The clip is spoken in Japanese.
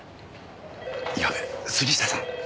やべっ杉下さん。